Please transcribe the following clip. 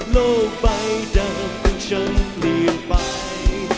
โลกใบเดิมฉันเปลี่ยนไป